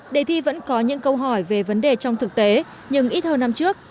đề thi vẫn có những câu hỏi về vấn đề trong thực tế nhưng ít hơn năm trước